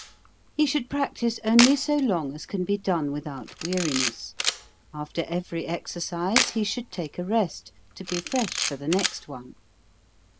He should practise only so long as can be done without weariness. After every exer cise he should take a rest, to be fresh for the next one.